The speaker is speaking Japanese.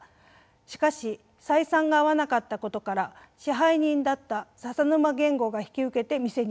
しかし採算が合わなかったことから支配人だった笹沼源吾が引き受けて店にしたのです。